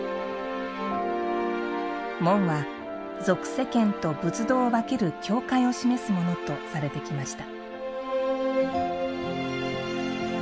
門は、俗世間と仏道を分ける境界を示すものとされてきました。